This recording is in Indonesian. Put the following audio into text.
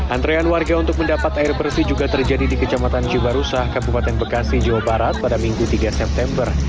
antrean warga untuk mendapat air bersih juga terjadi di kecamatan jubarusah kabupaten bekasi jawa barat pada minggu tiga september